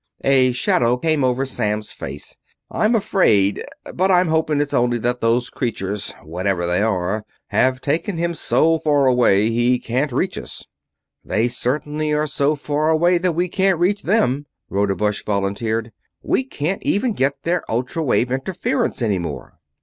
A shadow came over Samms' face. "I'm afraid ... but I'm hoping it's only that those creatures, whatever they are, have taken him so far away he can't reach us." "They certainly are so far away that we can't reach them," Rodebush volunteered. "We can't even get their ultra wave interference any more."